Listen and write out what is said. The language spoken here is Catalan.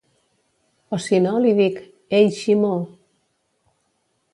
O sinó li dic "Ei, Ximo..."